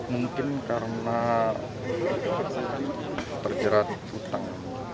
mungkin karena terjerat hutang